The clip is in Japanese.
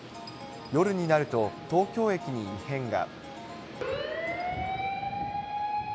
夜になると、東京駅に異変が。